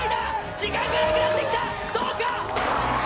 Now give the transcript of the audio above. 時間がなくなってきた、どうか。